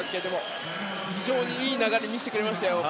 非常にいい流れにしてくれましたよ。